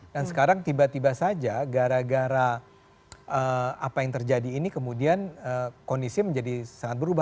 dan sekarang tiba tiba saja gara gara apa yang terjadi ini kemudian kondisi menjadi sangat berubah